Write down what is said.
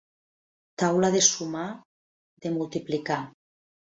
Taula de sumar, de multiplicar.